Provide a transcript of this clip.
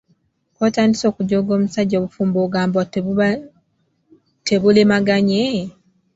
"K'otandise okujooga omusajja, obufumbo ogamba tebulemaganye?"